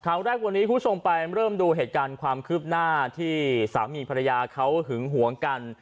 แรกวันนี้คุณผู้ชมไปเริ่มดูเหตุการณ์ความคืบหน้าที่สามีภรรยาเขาหึงหวงกัน